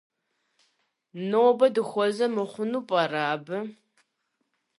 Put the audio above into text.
Нобэ дыхуэзэ мыхъуну пӀэрэ абы?